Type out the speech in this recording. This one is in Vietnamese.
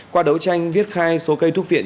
qua đấu tranh viết khai số cây thuốc phiện